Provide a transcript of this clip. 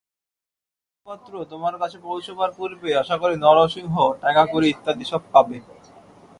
এই পত্র তোমার কাছে পৌঁছবার পূর্বেই আশা করি নরসিংহ টাকাকড়ি ইত্যাদি সব পাবে।